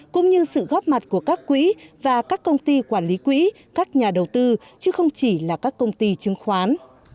cũng như sự góp mặt của các quỹ và các công ty quản lý quỹ các nhà đầu tư chứ không chỉ là các công ty chứng khoán